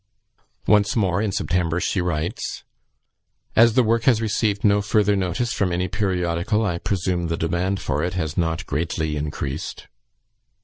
Once more, in September, she writes, "As the work has received no further notice from any periodical, I presume the demand for it has not greatly increased."